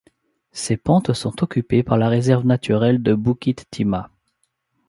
Ses pentes sont occupées par la réserve naturelle de Bukit Timah.